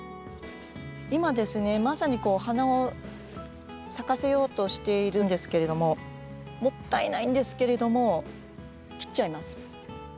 今まさに花を咲かせようとしているんですけれどももったいないんですけれども切っちゃいます。